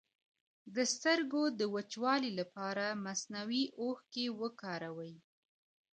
د سترګو د وچوالي لپاره مصنوعي اوښکې وکاروئ